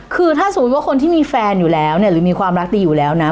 คือถ้าสมมุติว่าคนที่มีแฟนอยู่แล้วเนี่ยหรือมีความรักดีอยู่แล้วนะ